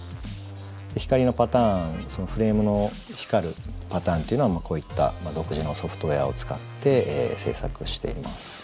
光のパターンフレームの光るパターンっていうのはこういった独自のソフトウエアを使って制作しています。